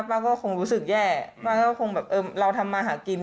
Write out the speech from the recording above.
ป้าก็คงรู้สึกแย่ป้าก็คงแบบเออเราทำมาหากิน